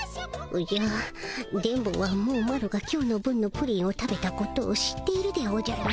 おじゃ電ボはもうマロが今日の分のプリンを食べたことを知っているでおじゃる。